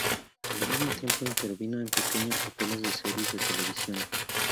Al mismo tiempo intervino en pequeños papeles de series de televisión.